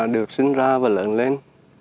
được sinh ra và lợn lên